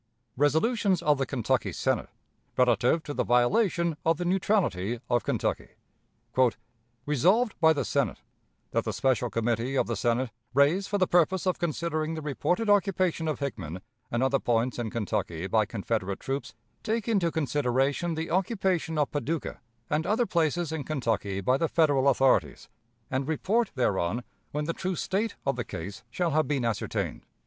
Resolutions of the Kentucky Senate relative to the Violation of the Neutrality of Kentucky. "Resolved by the Senate, That the special committee of the Senate, raised for the purpose of considering the reported occupation of Hickman and other points in Kentucky by Confederate troops, take into consideration the occupation of Paducah and other places in Kentucky by the Federal authorities, and report thereon when the true state of the case shall have been ascertained.